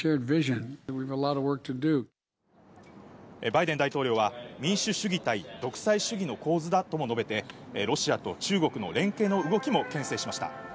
バイデン大統領は民主主義対独裁主義の構図だとも述べてロシアと中国の連携の動きもけん制しました。